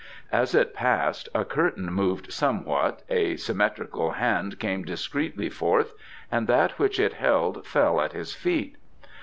As it passed a curtain moved somewhat, a symmetrical hand came discreetly forth, and that which it held fell at his feet.